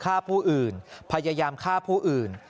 ฆ่าผู้อื่นพยายามฆ่าผู้อื่น